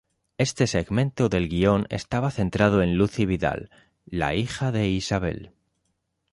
Este segmento del guion estaba centrado en Lucy Vidal, la hija de Isabel.